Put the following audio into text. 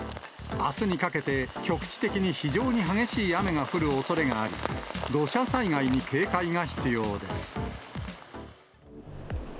あすにかけて局地的に非常に激しい雨が降るおそれがあり、土砂災害に警戒が必要です。